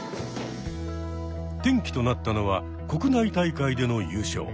転機となったのは国内大会での優勝。